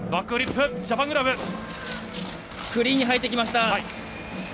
クリーンに入ってきました。